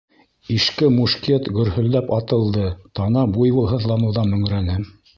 Иҫке мушкет гөрһөлдәп атылды, тана буйвол һыҙланыуҙан мөңрәне.